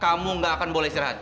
kamu gak akan boleh istirahat